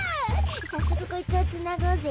さっそくこいつをつなごうぜ。